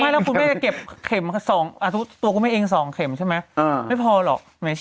ไม่แล้วคุณแม่ก็เก็บเห็มตัวกูแม่เอง๒เข็มใช่ไหม